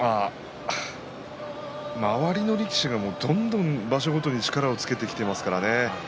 周りの力士がどんどん場所ごとに力をつけてきていますからね。